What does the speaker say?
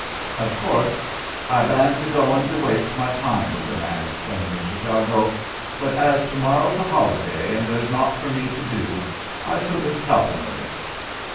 "Of course, I ban't a going to waste my time with the man," explained Mr. Jago ; "but as to morrow's a holiday and there's nought for me to do, I shall just help him a bit.